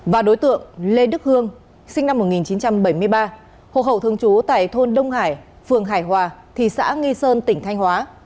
và đối tượng lê đức hương sinh năm một nghìn chín trăm bảy mươi ba hộ khẩu thường trú tại thôn đông hải phường hải hòa thị xã nghi sơn tỉnh thanh hóa